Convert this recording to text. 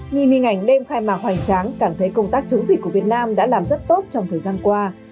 nhìn hình ảnh đêm khai mạc hoành tráng cảm thấy công tác chống dịch của việt nam đã làm rất tốt trong thời gian qua